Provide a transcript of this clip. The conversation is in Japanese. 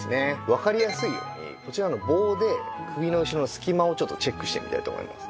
わかりやすいようにこちらの棒で首の後ろの隙間をチェックしてみたいと思います。